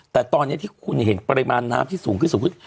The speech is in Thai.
แต่ตอนนี้ที่คุณเห็นปริมาณน้ำที่สูงขึ้นสูงขึ้น